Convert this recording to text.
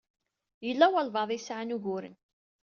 Yella walebɛaḍ i yesɛan uguren.